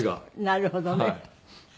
なるほどね。